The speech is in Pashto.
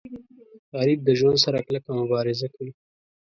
غریب د ژوند سره کلکه مبارزه کوي